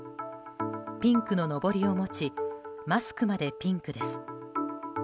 ピンクののぼりを持ちマスクまでピンクです。